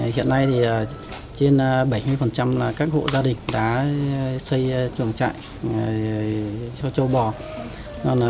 hiện nay trên bảy mươi là các hộ gia đình đã xây chuồng trại cho châu bò